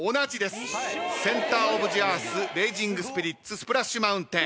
センター・オブ・ジ・アースレイジングスピリッツスプラッシュ・マウンテン。